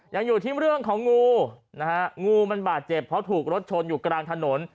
ยังอยู่ที่เรื่องของงูนะฮะงูมันบาดเจ็บเพราะถูกรถชนอยู่กลางถนน